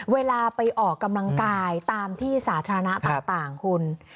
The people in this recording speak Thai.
เวลาไปออกกำลังกายตามที่สาธารณะต่างคุณ